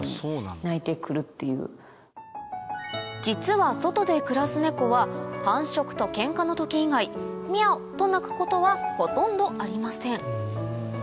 実は外で暮らすネコは繁殖とケンカの時以外「ミャオ」と鳴くことはほとんどありません